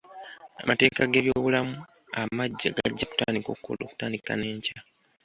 Amateeka g'ebyobulamu amagya gajja kutandika okukola okutandika n'enkya.